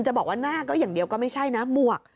หน้าอย่างเดียวก็ไม่ใช่นะมวก